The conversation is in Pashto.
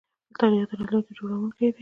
تاریخ د راتلونکي جوړونکی دی.